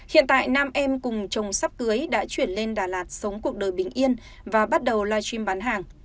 hiện tại nam em cùng chồng sắp cưới đã chuyển lên đà lạt sống cuộc đời bình yên và bắt đầu live stream bán hàng